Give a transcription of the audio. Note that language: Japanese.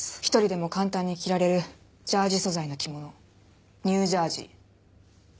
一人でも簡単に着られるジャージー素材の着物ニュージャージー。